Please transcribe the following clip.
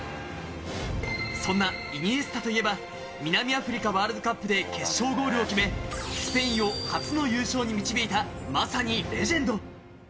そんなイニエスタといえば、南アフリカワールドカップ杯で決勝ゴールを決め、スペインを初の優勝に導いた、まさにレジェンド。